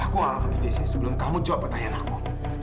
aku akan berada disini sebelum kamu menjawab pertanyaan aku